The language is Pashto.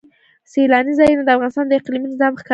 سیلانی ځایونه د افغانستان د اقلیمي نظام ښکارندوی ده.